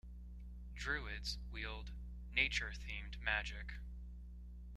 Druids wield nature-themed magic.